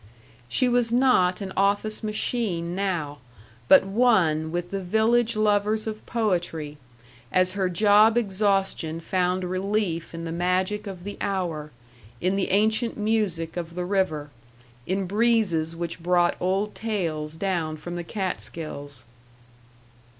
She was not an office machine now, but one with the village lovers of poetry, as her job exhaustion found relief in the magic of the hour, in the ancient music of the river, in breezes which brought old tales down from the Catskills.